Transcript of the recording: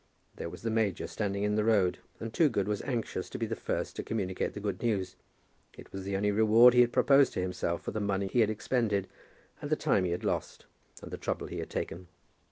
There was the major standing in the road, and Toogood was anxious to be the first to communicate the good news. It was the only reward he had proposed to himself for the money he had expended and the time he had lost and the trouble he had taken.